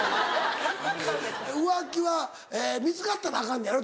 浮気は見つかったらアカンねやろ？